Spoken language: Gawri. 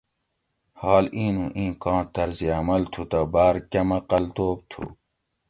حال اِیں نوُں ایں کاں طرزعمل تھوتہ بار کم عقل توب تھو